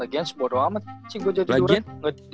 lagian seborong amat sih gue jadi jurang